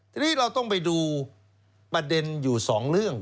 ทีนี้เราต้องไปดูประเด็นอยู่สองเรื่อง